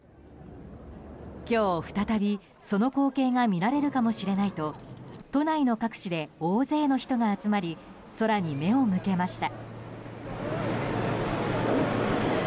今日再び、その光景が見られるかもしれないと都内の各地で大勢の人が集まり空に目を向けました。